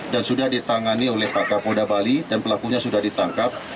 dan sudah ditangani oleh pak kabolda bali dan pelakunya sudah ditangkap